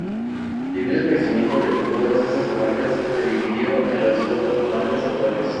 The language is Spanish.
Debido al crecimiento de todas estas comarcas se dividió en las cuatro comarcas actuales.